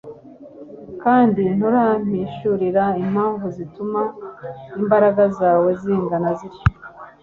kandi nturampishurira impamvu zituma imbaraga zawe zingana zityo